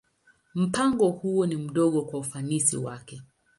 Mpango huo ni mdogo kwa ufanisi wake.